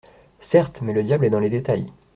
Certes, mais le diable est dans les détails.